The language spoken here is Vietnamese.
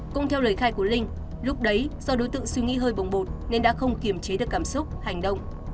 cũng theo lời khai của linh lúc đấy do đối tượng suy nghĩ hơi bồng bột nên đã không kiềm chế được cảm xúc hành động